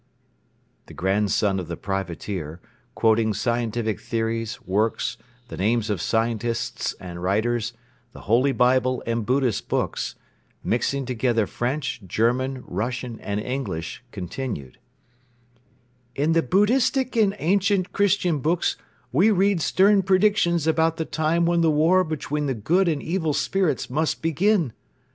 The grandson of the privateer, quoting scientific theories, works, the names of scientists and writers, the Holy Bible and Buddhist books, mixing together French, German, Russian and English, continued: "In the Buddhistic and ancient Christian books we read stern predictions about the time when the war between the good and evil spirits must begin.